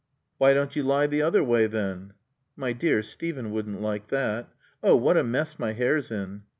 "Why don't you lie the other way then?" "My dear, Steven wouldn't like that. Oh, what a mess my hair's in!"